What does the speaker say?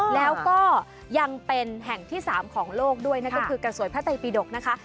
แล้วก็ยังเป็นแห่งที่๓ของโลกด้วยนั่นก็คือกระสวยพระไตปิดกนะคะ